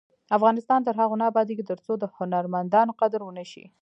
افغانستان تر هغو نه ابادیږي، ترڅو د هنرمندانو قدر ونشي.